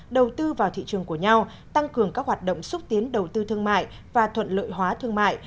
đầu tư vào thị trường của nhau tăng cường các hoạt động xúc tiến đầu tư thương mại và thuận lợi hóa thương mại